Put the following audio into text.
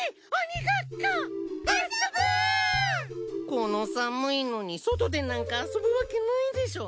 この寒いのに外でなんか遊ぶわけないでしょ。